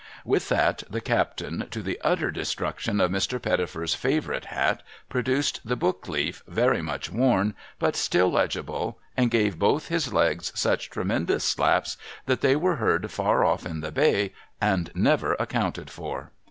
With that the captain, to the utter destruction of Mr. Pettifer's favourite hat, produced the book leaf, very much worn, but still legible, and gave both his legs such tremendous slaps that they were heard far off in the bay, and never accounted for.